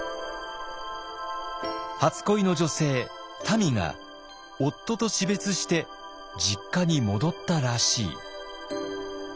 初恋の女性たみが夫と死別して実家に戻ったらしい。